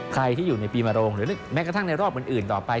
ใครที่อยู่ในปีมโรงหรือแม้กระทั่งในรอบอื่นต่อไป